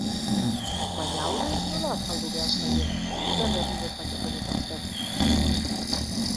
Baina, haurrei nola azaldu behar zaie zer egin dezaketen eta zer ez?